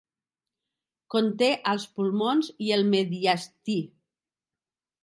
Conté als pulmons i el mediastí.